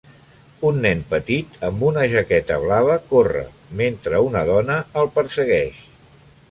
Un nen petit amb una jaqueta blava corre, mentre una dona el persegueix.